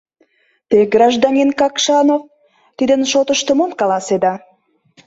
— Те, гражданин Какшанов, тидын шотышто мом каласеда?